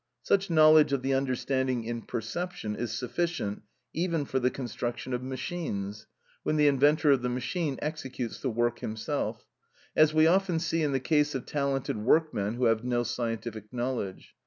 Such knowledge of the understanding in perception is sufficient even for the construction of machines, when the inventor of the machine executes the work himself; as we often see in the case of talented workmen, who have no scientific knowledge.